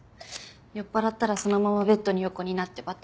酔っ払ったらそのままベッドに横になってバタンキュー。